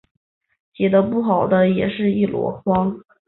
写的不好的也是一箩筐